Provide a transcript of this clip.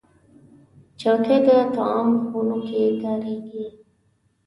چوکۍ د طعام خونو کې کارېږي.